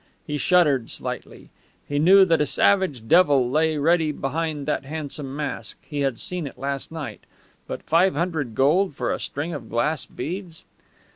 He shuddered slightly. He knew that a savage devil lay ready behind that handsome mask he had seen it last night. But five hundred gold for a string of glass beads!